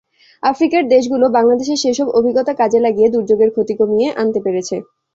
আফ্রিকার দেশগুলো বাংলাদেশের সেসব অভিজ্ঞতা কাজে লাগিয়ে দুর্যোগের ক্ষতি কমিয়ে আনতে পেরেছে।